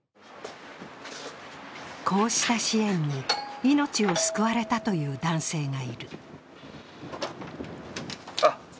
こうした支援に命を救われたという男性がいる。